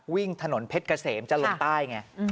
วิ่งถนนเพชรเกษมจะลงใต้ไง